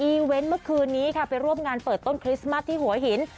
เวนต์เมื่อคืนนี้ค่ะไปร่วมงานเปิดต้นคริสต์มัสที่หัวหิน